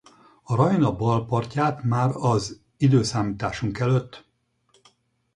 A Rajna bal partját már az i.e.